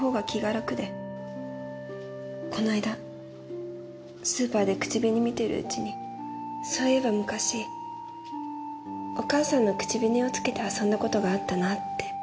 こないだスーパーで口紅見ているうちにそういえば昔お母さんの口紅をつけて遊んだ事があったなって。